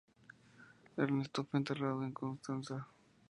Ernesto fue enterrado en Constanza.